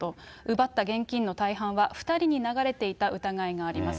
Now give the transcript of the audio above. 奪った現金の大半は２人に流れていた疑いがあります。